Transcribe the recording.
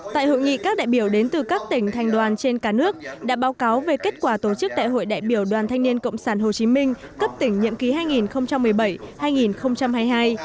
tại hội nghị các đại biểu đến từ các tỉnh thành đoàn trên cả nước đã báo cáo về kết quả tổ chức đại hội đại biểu đoàn thanh niên cộng sản hồ chí minh cấp tỉnh nhiệm ký hai nghìn một mươi bảy hai nghìn hai mươi hai